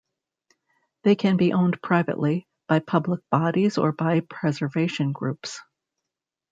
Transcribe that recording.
They can be owned privately, by public bodies or by preservation groups.